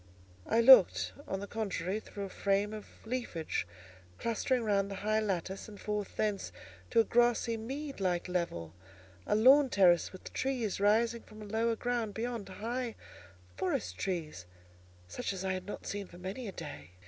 I looked, on the contrary, through a frame of leafage, clustering round the high lattice, and forth thence to a grassy mead like level, a lawn terrace with trees rising from the lower ground beyond—high forest trees, such as I had not seen for many a day.